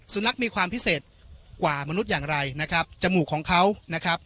สุนัขมีความพิเศษกว่ามนุษย์อย่างไรนะครับจมูกของเขานะครับ